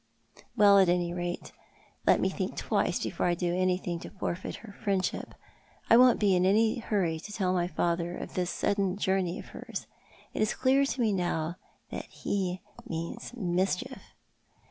AVell, at any rate, let me think twice before I do anything to forfeit her friendship. I won't be in any hurry to tell my lather of this sudden journey of hers. It is clear to mc now that ho means mischief.